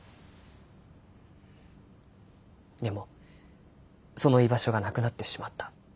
でもその居場所がなくなってしまった。